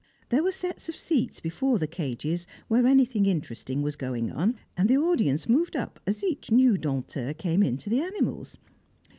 There were sets of seats before the cages where anything interesting was going on, and the audience moved up as each new Dompteur came in to the animals.